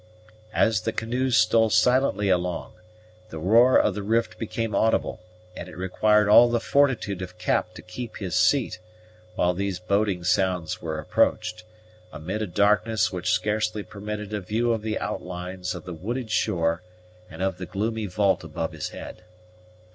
At the canoes stole silently along, the roar of the rift became audible, and it required all the fortitude of Cap to keep his seat, while these boding sounds were approached, amid a darkness which scarcely permitted a view of the outlines of the wooded shore and of the gloomy vault above his head.